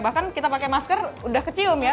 bahkan kita pakai masker udah kecium ya